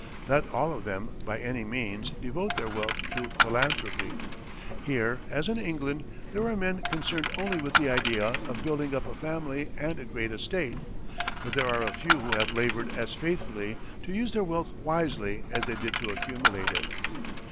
Not all of them, by any means, devote their wealth to philanthropy. Here, as in England, there are men concerned only with the idea of building up a family and a great estate; but there are a few who have labored as faithfully to use their wealth wisely as they did to accumulate it.